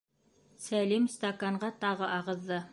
Сәлим стаканға тағы ағыҙҙы.